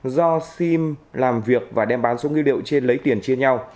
do sim làm việc và đem bán số ngư điệu trên lấy tiền chia nhau